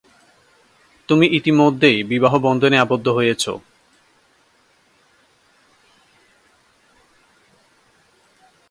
তুমি ইতোমধ্যেই বিবাহ বন্ধনে আবদ্ধ হয়েছ।